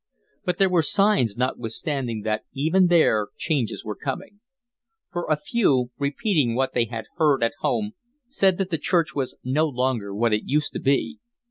But there were signs notwithstanding that even there changes were coming; for a few, repeating what they had heard at home, said that the Church was no longer what it used to be.